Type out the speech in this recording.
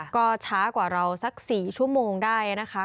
ก็ช้ากว่าเราสัก๔ชั่วโมงได้นะคะ